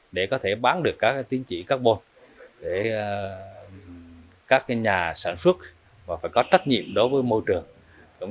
để có thể bán được các tính trị carbon để các nhà sản xuất và phải có trách nhiệm đối với môi trường